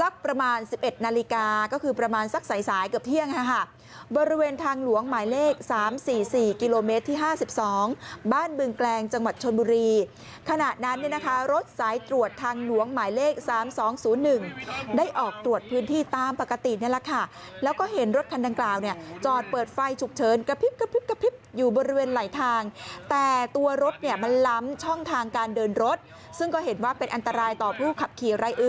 ก็คือประมาณสักสายสายเกือบเที่ยงฮะฮะบริเวณทางหลวงหมายเลขสามสี่สี่กิโลเมตรที่ห้าสิบสองบ้านบึงแกลงจังหวัดชนบุรีขณะนั้นเนี่ยนะคะรถสายตรวจทางหลวงหมายเลขสามสองศูนย์หนึ่งได้ออกตรวจพื้นที่ตามปกตินี่แหละค่ะแล้วก็เห็นรถคันดังกล่าวเนี่ยจอดเปิดไฟฉุกเฉินกระพริบกระพริบกระ